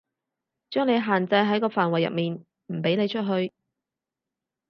將你限制喺個範圍入面，唔畀你出去